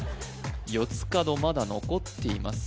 四つ角まだ残っています